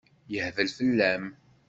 Yehbel fell-am.